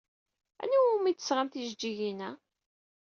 Anwa umi d-tesɣam tijeǧǧigin-a?